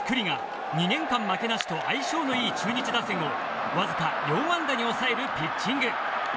投げては先発、九里が２年間、負けなしと相性のいい中日打線をわずか４安打に抑えるピッチング。